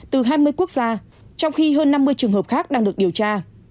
từ hai mươi quốc gia trong khi hơn năm mươi trường hợp khác đang được điều tra